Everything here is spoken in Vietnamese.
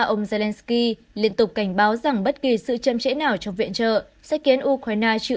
ông zelenskyy liên tục cảnh báo rằng bất kỳ sự chăm chẽ nào trong viện trợ sẽ khiến ukraine chịu